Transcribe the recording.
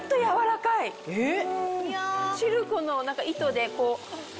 えっ！